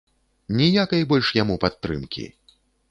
Ніякай больш яму падтрымкі.